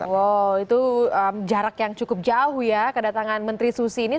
wow itu jarak yang cukup jauh ya kedatangan menteri susi ini